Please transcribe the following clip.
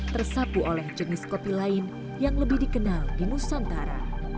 tersapu oleh jenis kopi lain yang lebih dikenal di nusantara